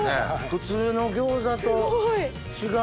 普通の餃子と違う。